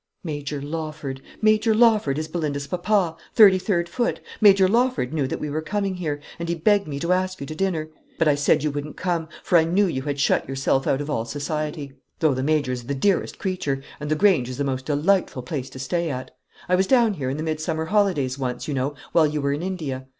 "Major Lawford Major Lawford is Belinda's papa; 33rd Foot Major Lawford knew that we were coming here, and he begged me to ask you to dinner; but I said you wouldn't come, for I knew you had shut yourself out of all society though the Major's the dearest creature, and the Grange is a most delightful place to stay at. I was down here in the midsummer holidays once, you know, while you were in India.